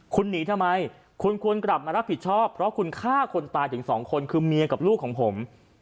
คุณหนีทำไมคุณควรกลับมารับผิดชอบเพราะคุณฆ่าคนตายถึงสองคนคือเมียกับลูกของผม